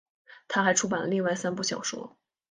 她还出版了另外三部小说。